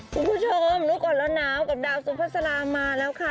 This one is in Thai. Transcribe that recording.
คุณผู้ชมนุ่นก่อนแล้วน้ำกับดาวซุภาษลามาแล้วค่ะ